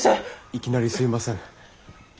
いきなりすみません。